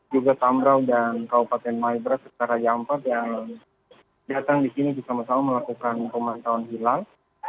juga tamrau dan kabupaten maibra secara jam empat yang datang di sini bersama sama melakukan pemantauan hilal